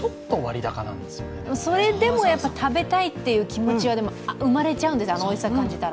それでも食べたいって気持ちが生まれちゃうのよ、あのおいしさを感じたら。